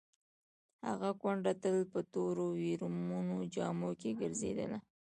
هغه کونډه تل په تورو ویرمنو جامو کې ګرځېدله.